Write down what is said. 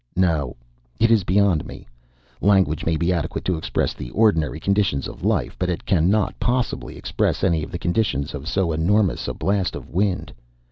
No; it is beyond me. Language may be adequate to express the ordinary conditions of life, but it cannot possibly express any of the conditions of so enormous a blast of wind.